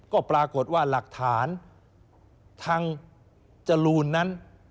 ก็ปรากฏว่าหลักฐานทางจรูนนั้น